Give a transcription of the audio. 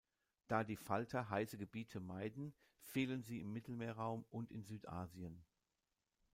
Da die Falter heiße Gebiete meiden, fehlen sie im Mittelmeerraum und in Südasien.